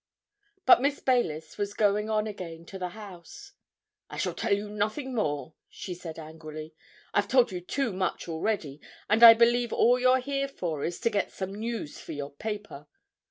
But Miss Baylis was going on again to the house. "I shall tell you nothing more," she said angrily. "I've told you too much already, and I believe all you're here for is to get some news for your paper.